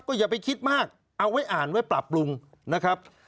อย่าไปคิดมากเอาไว้อ่านไว้ปรับปรุงนะครับ